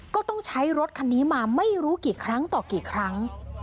ก็ต้องใช้รถคันนี้มาไม่รู้กี่ครั้งต่อกี่ครั้ง